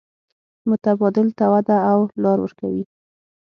متبادل ته وده او لار ورکوي.